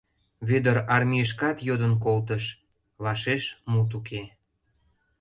Вӧдыр армийышкат йодын колтыш, вашеш мут уке.